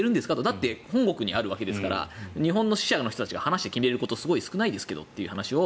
だって本国にあるわけですから日本の支社の人たちが話して決めることすごい少ないですけどということを